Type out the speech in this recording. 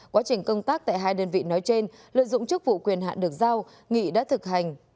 quá trình công tác tại hai đơn vị nói trên lợi dụng chức vụ quyền hạn được giao nghị đã thực hành